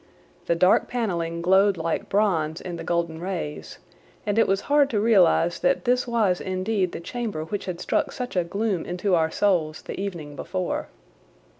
The dark panelling glowed like bronze in the golden rays, and it was hard to realise that this was indeed the chamber which had struck such a gloom into our souls upon the evening before.